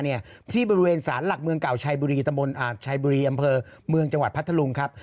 ที่บริเวณสารหลักเมืองเก่าชัยบุรีตะมนต์อาจชัยบุรีอำเภอเมืองจังหวัดพัทธลุงครับ